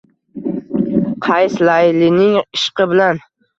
Qays Laylining ishqi bilan